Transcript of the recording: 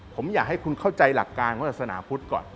ผมอยากให้คุณเข้าใจหลักการของศาสนาพุทธก่อน